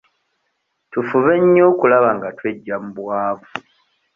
Tufube nnyo okulaba nga tweggya mu bwavu.